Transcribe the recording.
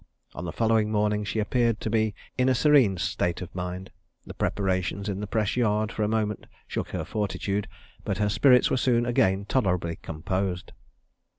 On the following morning she appeared to be in a serene state of mind. The preparations in the press yard for a moment shook her fortitude, but her spirits were soon again tolerably composed.